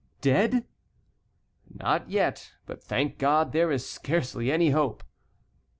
"Dead?" "Not yet, but, thank God, there is scarcely any hope."